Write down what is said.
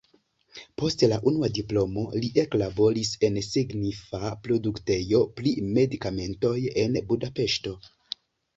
Post la unua diplomo li eklaboris en signifa produktejo pri medikamentoj en Budapeŝto.